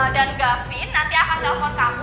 gavin nanti akan telepon kamu